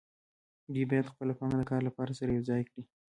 دوی باید خپله پانګه د کار لپاره سره یوځای کړي